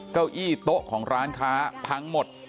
เก้าอี้โต๊ะของร้านค้าพังหมด